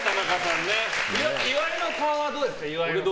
岩井の顔はどうですか？